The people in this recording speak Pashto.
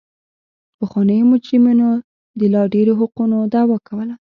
پخوانیو مجرمینو د لا ډېرو حقونو دعوه کوله.